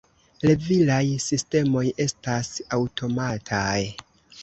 Levilaj sistemoj estas aŭtomataj.